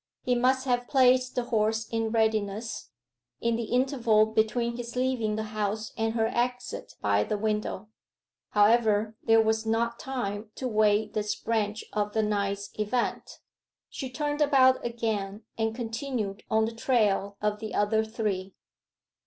He must have placed the horse in readiness, in the interval between his leaving the house and her exit by the window. However, there was not time to weigh this branch of the night's events. She turned about again, and continued on the trail of the other three.